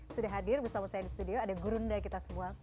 sudah hadir bersama saya di studio ada gurunda kita semua